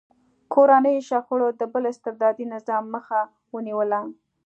کورنیو شخړو د بل استبدادي نظام مخه ونیوله.